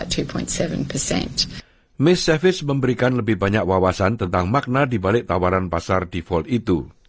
ketua eir claire savage memberikan lebih banyak wawasan tentang makna dibalik tawaran pasar default itu